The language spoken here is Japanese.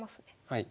はい。